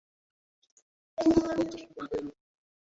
অনন্ত বার এইরূপ হইয়াছে এবং অনন্ত বার এইরূপ হইবে।